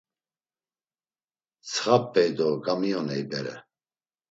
Tsxap̌ey do gamiyoney bere.